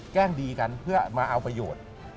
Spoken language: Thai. แจ้งดีกันเพื่อมาเอาประโยชน์